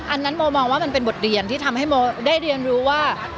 อันนั้นโมมองว่ามันเป็นบทเรียนที่ทำให้โมได้เรียนรู้ว่า